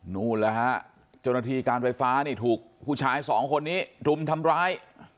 นู่นแล้วฮะเจ้าหน้าที่การไฟฟ้านี่ถูกผู้ชายสองคนนี้รุมทำร้าย